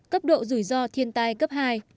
cấp độ rủi ro thiên tai cấp hai